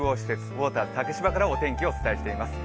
ウォーターズ竹芝からお天気をお伝えしています。